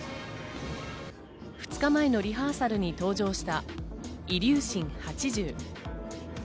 ２日前のリハーサルに登場したイリューシン８０。